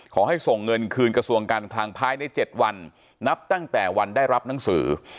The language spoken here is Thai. ขอให้ส่งเงินคืนกระทรวงการคลังภายใน๗วันนับตั้งแต่วันได้รับหนังสือ